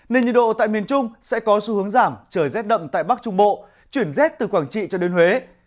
nên nhiệt độ tại miền trung sẽ có xu hướng giảm trời rét đậm tại bắc trung bộ chuyển rét từ quảng trị cho đến huế